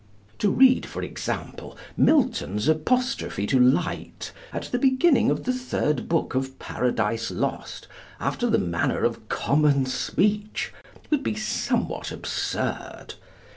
To read, for example, Milton's apostrophe to Light, at the beginning of the third book of Paradise Lost, after the manner of common speech, would be somewhat absurd.